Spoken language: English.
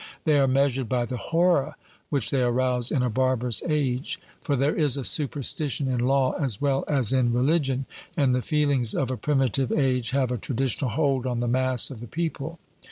They are measured by the horror which they arouse in a barbarous age. For there is a superstition in law as well as in religion, and the feelings of a primitive age have a traditional hold on the mass of the people.